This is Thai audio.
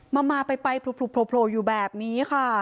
มาม่าไปโผล่อยู่แบบนี้